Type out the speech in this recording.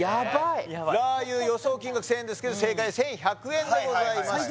ラー油予想金額１０００円ですけど正解は１１００円でございました